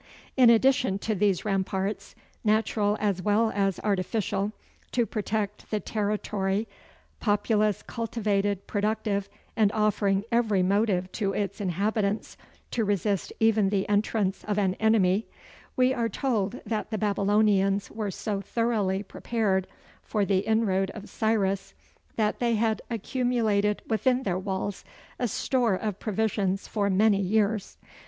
In addition to these ramparts, natural as well as artificial, to protect the territory populous, cultivated, productive, and offering every motive to its inhabitants to resist even the entrance of an enemy we are told that the Babylonians were so thoroughly prepared for the inroad of Cyrus that they had accumulated within their walls a store of provisions for many years.